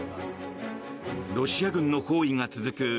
ロシア軍の包囲が続く